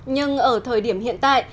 nhưng ở thời điểm hiện tại